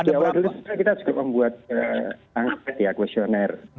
di awal dulu kita juga membuat angka ya questionnaire